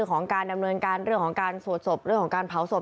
ต้องยกออกมา๒รอบแล้วครับ